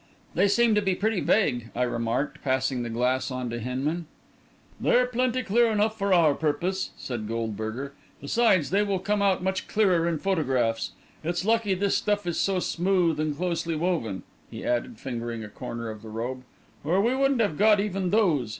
"They seem to be pretty vague," I remarked, passing the glass on to Hinman. "They're plenty clear enough for our purpose," said Goldberger; "besides they will come out much clearer in photographs. It's lucky this stuff is so smooth and closely woven," he added, fingering a corner of the robe, "or we wouldn't have got even those.